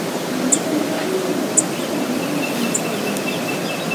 Некалі пасёлак быў абсалютна самастойны.